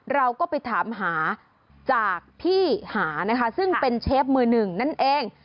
เราก็ไปถามหาจากพี่หานะคะซึ่งเป็นเชฟมือหนึ่งนั่นเอง